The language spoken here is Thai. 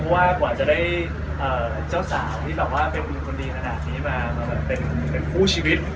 เพราะว่ากว่าจะได้เจ้าสาวที่เป็นคนดีขนาดนี้มาเป็นผู้ชีวิต